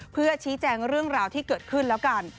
เพื่อชี้แจงเรื่องราวที่เกิดขึ้นแล้วกัน